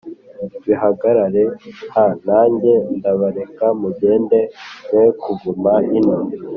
bihagarare h Nanjye ndabareka mugende mwe kuguma ino